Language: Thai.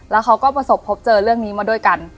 แล้วเขาก็ประสบพบเจอเรื่องนี้มาด้วยกัน